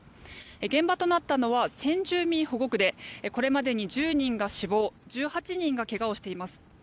現場となったのは先住民保護区でこれまでに１０人が死亡１８人が怪我をしています。